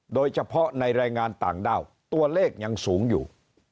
โดยเฉพาะในแรงงานต่างด้าวตัวเลขยังสูงอยู่